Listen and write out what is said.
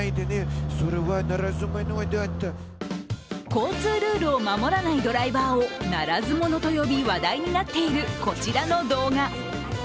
交通ルールを守らないドライバーを「ならず者」と呼び話題になっているこちらの動画。